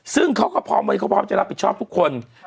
ซึ่งเขาก็พร้อมไว้เขาพร้อมจะรับผิดชอบทุกคน